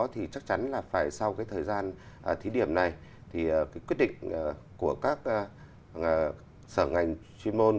thì chắc chắn là phải sau cái thời gian thí điểm này thì cái quyết định của các sở ngành chuyên môn